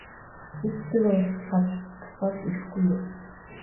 Ээжтэйгээ уулзчихаад буцаад хүрээд ирэхгүй юу?